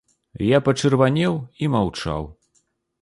Я пачырванеў і маўчаў.